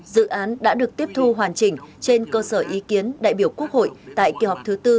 dự án đã được tiếp thu hoàn chỉnh trên cơ sở ý kiến đại biểu quốc hội tại kỳ họp thứ tư